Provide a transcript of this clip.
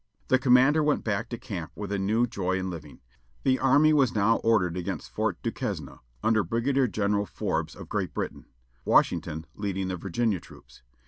The commander went back to camp with a new joy in living. The army was now ordered against Fort du Quesne, under Brigadier General Forbes of Great Britain; Washington leading the Virginia troops.